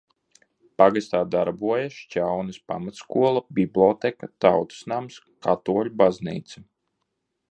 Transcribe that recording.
Pagastā darbojas Šķaunes pamatskola, bibliotēka, Tautas nams, katoļu baznīca.